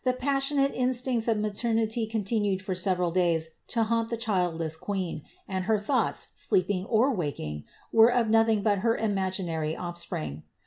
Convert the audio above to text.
The pafsionate instincts of maternity continued for sereral 6aj9 to haunt the childless queen, and her thoughts, sleepinr or waking, wen of nothing but her imaginary offspring.'